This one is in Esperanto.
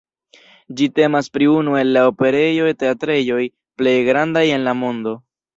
Ĝi temas pri unu el la operejoj-teatrejoj plej grandaj en la mondo.